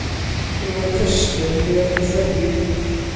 Dyma'r cysglyn mwyaf cyffredin.